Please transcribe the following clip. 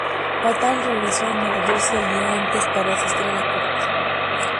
Fatal regresó a Nueva Jersey el día antes para asistir a la corte.